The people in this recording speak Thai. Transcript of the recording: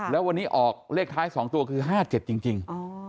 แล้ววันนี้ออกเลขท้าย๒ตัวคือ๕๗จริง